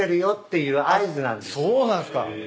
そうなんすか。へ。